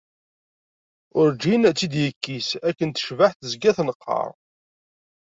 Urǧin tt-id-yekkis akken tecbaḥ, tezga tenqer.